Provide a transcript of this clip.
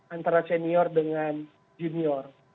antara senior dengan junior